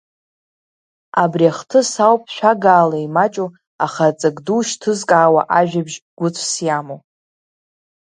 Абри ахҭыс ауп шәагаала имаҷу, аха аҵак ду шьҭызкаауа ажәабжь гәыцәс иамоу.